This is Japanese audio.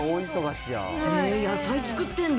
野菜作ってんだ。